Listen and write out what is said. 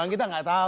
kita gak tau